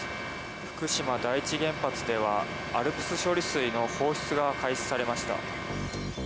福島第一原発ではＡＬＰＳ処理水の放出が開始されました。